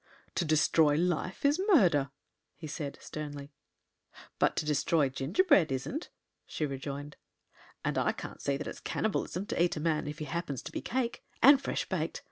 "To destroy life is murder?" he said, sternly. "But to destroy gingerbread isn't," she rejoined. "And I can't see that it's cannibalism to eat a man if he happens to be cake, and fresh baked.